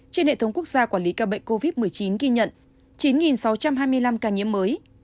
trên hệ thống quốc gia quản lý ca bệnh covid một mươi chín ghi nhận chín sáu trăm hai mươi năm ca nhiễm mới